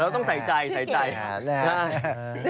ต้องใส่ใจใส่ใจ